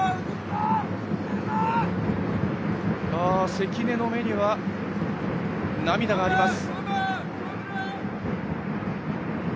関根の目には涙があります。